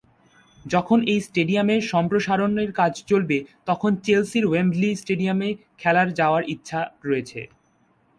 যখন এই স্টেডিয়ামের সম্প্রসারণের কাজ চলবে, তখন চেলসির ওয়েম্বলি স্টেডিয়ামে খেলার যাওয়ার ইচ্ছা রয়েছে।